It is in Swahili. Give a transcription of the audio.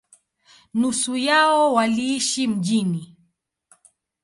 Nusu yao waliishi mjini.